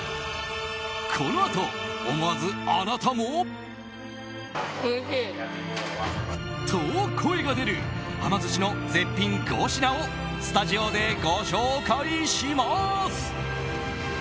このあと、思わずあなたも。と声が出るはま寿司の絶品５品をスタジオでご紹介します。